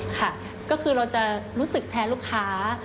ค่ะก็คือเราจะรู้สึกแทนลูกค้า